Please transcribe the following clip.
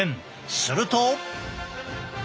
すると。